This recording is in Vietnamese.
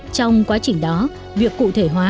trong quá trình đó việc cụ thể hóa